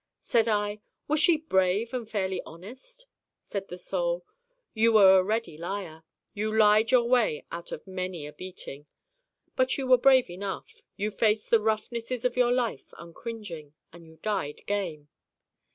Said I: 'Was she brave and fairly honest?' Said the Soul: 'You were a ready liar you lied your way out of many a beating. But you were brave enough. You faced the roughnesses of your life uncringing, and you died game.